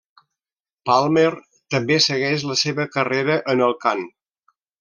Palmer també segueix la seva carrera en el cant.